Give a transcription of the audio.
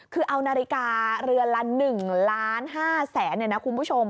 คือเอานาฬิกาเรือละ๑๕๐๐๐๐๐บาทคุณผู้ชม